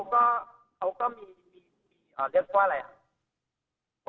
คือจริงจริงจริงจริงผมว่าทางร้านเขาก็เขาก็มีอ่าเรียกว่าอะไรอ่ะ